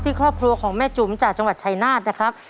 ครอบครัวของแม่จุ๋มจากจังหวัดชายนาฏนะครับ